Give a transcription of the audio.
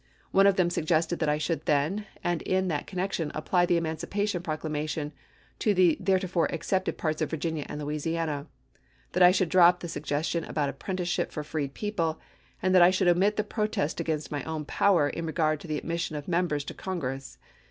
One of them suggested that I should then and in that connection apply the emancipation proc lamation to the theretofore excepted parts of Virginia and Louisiana; that I should drop the suggestion about apprenticeship for freed people, and that I should omit the protest against my own power in regard to the admission of Members to Congress.